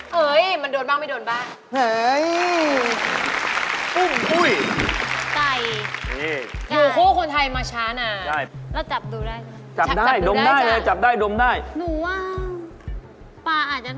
เฮ้ยมันโดนบ้างไม่โดนบ้าง